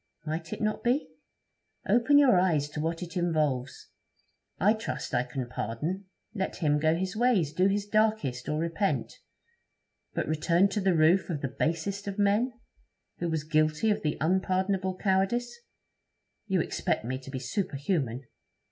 'Might it not be?' 'Open your eyes to what it involves. I trust I can pardon. Let him go his ways, do his darkest, or repent. But return to the roof of the "basest of men," who was guilty of "the unpardonable cowardice"? You expect me to be superhuman.